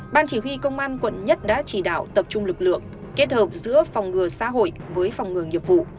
ban chỉ huy công an quận một đã chỉ đạo tập trung lực lượng kết hợp giữa phòng ngừa xã hội với phòng ngừa nghiệp vụ